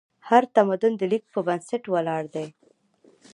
هر تمدن د لیک په بنسټ ولاړ دی.